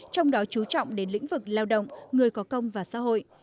trong đó chú trọng đến lĩnh vực lao động người có công và xã hội